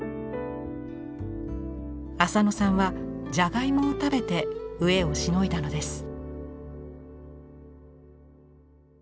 浅野さんはじゃがいもを食べて飢えをしのいだのです。